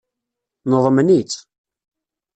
Neḍmen-itt.